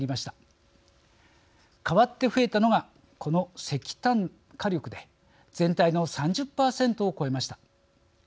代わって増えたのがこの石炭火力で全体の３０％を超えました。